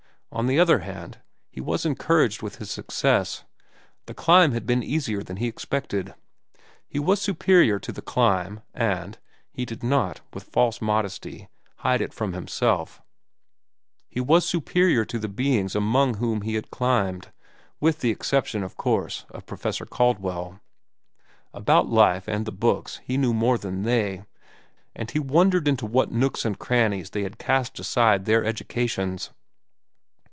On the other hand, he was encouraged with his success. The climb had been easier than he expected. He was superior to the climb, and (he did not, with false modesty, hide it from himself) he was superior to the beings among whom he had climbed—with the exception, of course, of Professor Caldwell. About life and the books he knew more than they, and he wondered into what nooks and crannies they had cast aside their educations.